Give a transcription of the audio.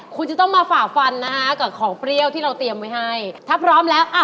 ขอบคุณมากนะจ๊ะ